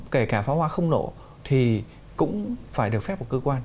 kể cả pháo hoa không nổ thì cũng phải được phép của cơ quan